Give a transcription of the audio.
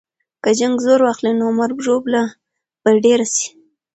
که جنګ زور واخلي، نو مرګ او ژوبله به ډېره سي.